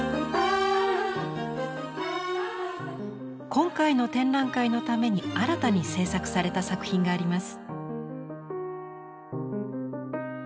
今回の展覧会のために新たに制作された作品があります。